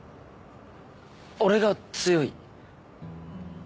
俺が強い？